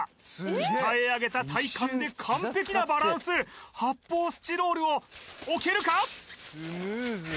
鍛え上げた体幹で完璧なバランスすげー一瞬膝使って発泡スチロールを置けるか！？